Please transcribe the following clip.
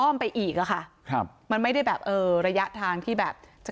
ไปอีกอ่ะค่ะครับมันไม่ได้แบบเออระยะทางที่แบบจะ